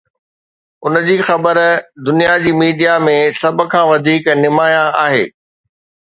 ان جي خبر دنيا جي ميڊيا ۾ سڀ کان وڌيڪ نمايان آهي.